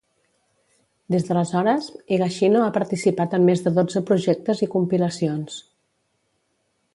Des d'aleshores, Higashino ha participat en més de dotze projectes i compilacions.